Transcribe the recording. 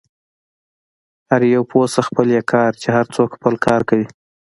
هر یو پوه شه، خپل يې کار، چې هر څوک خپل کار کوي.